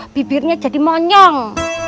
bibirnya jadi monyong